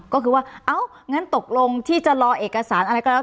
ก็คือว่าเอ้างั้นตกลงที่จะรอเอกสารอะไรก็แล้ว